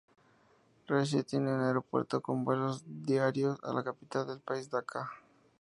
Rajshahi tiene un aeropuerto con vuelos diarios a la capital del país, Daca.